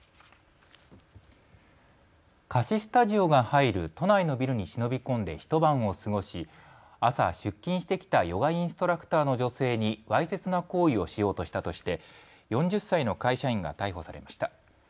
貸しスタジオが入る都内のビルに忍び込んで一晩を過ごし朝出勤してきたヨガインストラクターの女性にわいせつな行為をしようとしたとして４０歳の会社員が逮捕されました。